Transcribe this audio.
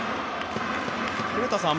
古田さん